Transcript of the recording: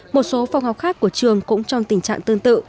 một số phòng học khác của trường cũng trong tình trạng tương tự